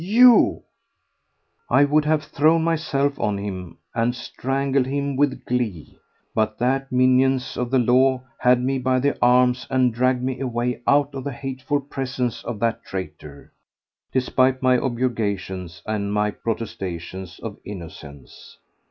You ..." I would have thrown myself on him and strangled him with glee, but that the minions of the law had me by the arms and dragged me away out of the hateful presence of that traitor, despite my objurgations and my protestations of innocence.